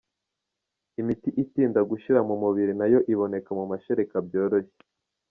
Imiti itinda gushira mu mubiri nayo iboneka mu mashereka byoroshye.